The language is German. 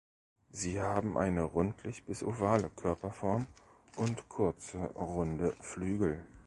Sie haben eine rundlich bis ovale Körperform und kurze runde Flügel.